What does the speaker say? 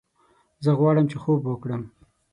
زه غواړم چې خوب وکړم